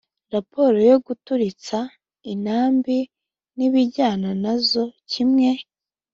Raporo yo guturitsa intambi n ibijyana na zo kimwe